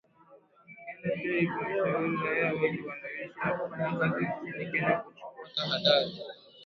Uganda pia imewashauri raia wake wanaoishi na kufanya kazi nchini Kenya kuchukua tahadhari